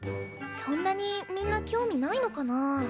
そんなにみんな興味ないのかなあ。